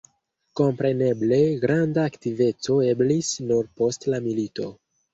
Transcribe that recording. Kompreneble, granda aktiveco eblis nur post la milito.